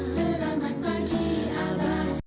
selamat pagi abas